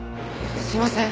すみません！